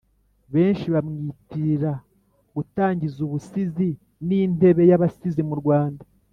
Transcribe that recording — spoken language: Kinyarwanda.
Benshi bamwitirira gutangiza ubusizi n’intebe y’abasizi mu Rwanda.